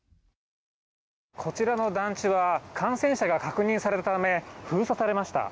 こちらの団地は、感染者が確認されたため、封鎖されました。